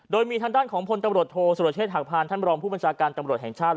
โดยมีทางด้านของพลตำรวจโทษสุรเชษฐหักพานท่านรองผู้บัญชาการตำรวจแห่งชาติ